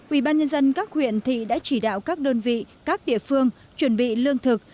ủy ban nhân dân các huyện thị đã chỉ đạo các đơn vị các địa phương chuẩn bị lương thực